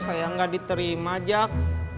saya gak diterima jak